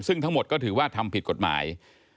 ซึ่งทั้งหมดก็ถือว่าทำผิดกฎหมาย